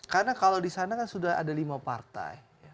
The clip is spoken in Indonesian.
karena kalau di sana sudah ada lima partai